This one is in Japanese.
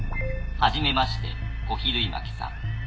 はじめまして小比類巻さん。